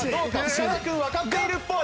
深田君わかっているっぽい。